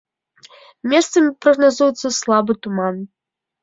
Месцамі прагназуецца слабы туман.